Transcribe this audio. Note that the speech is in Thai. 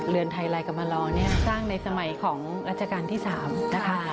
เรือนไทยลายกรรมรอนี่สร้างในสมัยของอาจารย์ที่๓นะคะ